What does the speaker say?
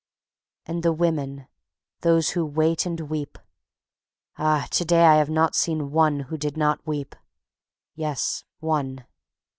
And the Women. Those who wait and weep. Ah! to day I have not seen one who did not weep. Yes, one.